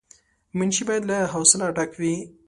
منشي باید له حوصله ډک وای.